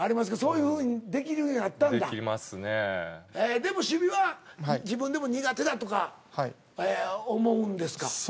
でも守備は自分でも苦手だとか思うんですか？